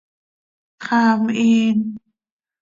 ¡Xaa mhiin!